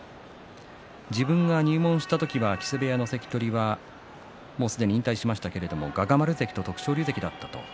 自分が入門した時は木瀬部屋の関取はすでに引退しましたが臥牙丸関と徳勝龍関でした。